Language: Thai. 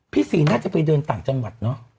ซีน่าจะไปเดินต่างจังหวัดเนอะ